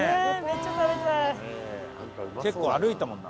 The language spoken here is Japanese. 結構歩いたもんな。